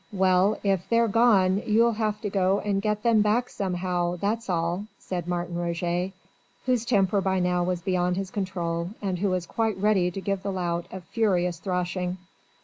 "Well! if they're gone you'll have to go and get them back somehow, that's all," said Martin Roget, whose temper by now was beyond his control, and who was quite ready to give the lout a furious thrashing.